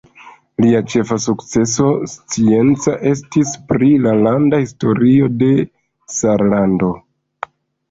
Lia ĉefa fokuso scienca estis pri la landa historio de Sarlando.